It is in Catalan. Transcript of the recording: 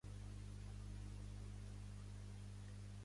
Els textos extrets d'isabadell punt cat no compleixen els requisits